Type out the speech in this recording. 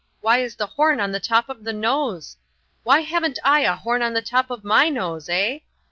Why is the horn on the top of the nose? Why haven't I a horn on the top of my nose, eh?"